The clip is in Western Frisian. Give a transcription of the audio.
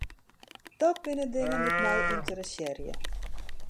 Dat binne dingen dy't my ynteressearje.